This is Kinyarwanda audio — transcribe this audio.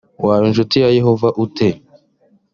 waba incuti ya yehova ute?